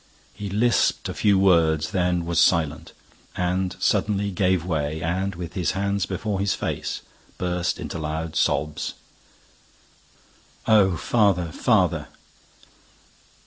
He lisped a few words, then was silent and, suddenly, gave way and, with his hands before his face, burst into loud sobs: "Oh, father! Father!"